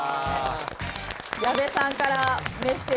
矢部さんから。